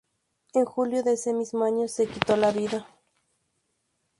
En julio de ese mismo año se quitó la vida.